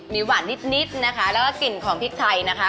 มีหวานนิดนะคะแล้วก็กลิ่นของพริกไทยนะคะ